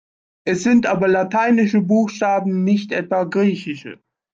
Es sind aber lateinische Buchstaben, nicht etwa griechische.